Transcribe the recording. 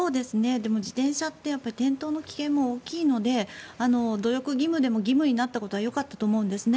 でも自転車って転倒の危険も大きいので努力義務でも義務になったことはよかったと思うんですね。